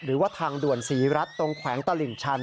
หรือว่าทางด่วนศรีรัฐตรงแขวงตลิ่งชัน